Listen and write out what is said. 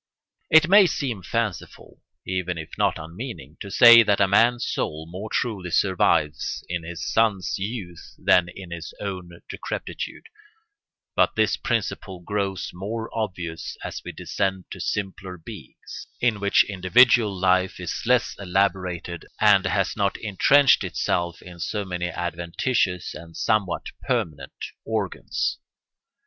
It may seem fanciful, even if not unmeaning, to say that a man's soul more truly survives in his son's youth than in his own decrepitude; but this principle grows more obvious as we descend to simpler beings, in which individual life is less elaborated and has not intrenched itself in so many adventitious and somewhat permanent organs.